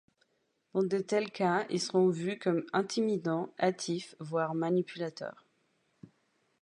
Dans de tels cas, ils seront vus comme intimidants, hâtifs, voire manipulateurs.